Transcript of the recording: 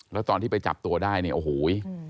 แล้วตอนที่ไปจับตัวได้เนี่ยโอ้โห